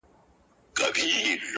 د یوه هلمندي کره وخوړله